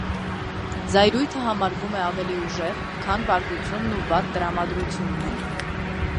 Զայրույթը համարվում է ավելի ուժեղ, քան բարկությունն ու վատ տրամադրությունն են։